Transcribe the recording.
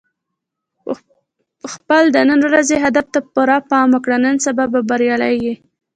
خپل د نن ورځې هدف ته پوره پام وکړه، نو سبا به بریالی یې.